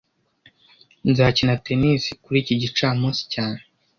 Nzakina tennis kuri iki gicamunsi cyane